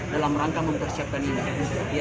dalam rangka mempersiapkan ini